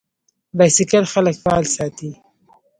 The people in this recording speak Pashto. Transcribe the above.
بایسکل خلک فعال ساتي.